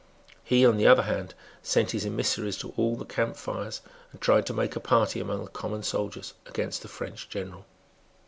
He, on the other hand, sent his emissaries to all the camp fires, and tried to make a party among the common soldiers against the French general.